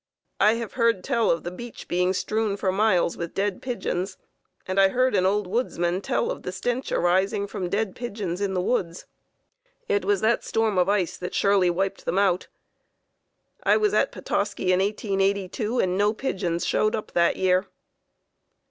I have heard tell of the beach being strewn for miles with dead pigeons, and I heard an old woodsman tell of the stench arising from dead pigeons in the woods. It was that storm of ice that surely wiped them out. I was at Petoskey in 1882, and no pigeons showed up that year.